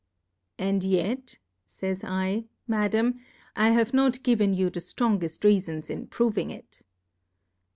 And y^t^fays I^ Mada m, I ha ve not given you the fl I'ong ell: Reafons in proving it.